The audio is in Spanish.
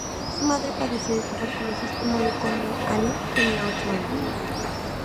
Su madre padecía de tuberculosis y murió cuando Anne tenía ocho años.